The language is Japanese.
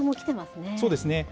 そうですね。